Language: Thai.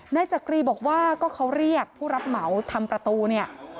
นายจักรีบอกว่าก็เขาเรียกผู้รับเหมาทำประตูเนี่ย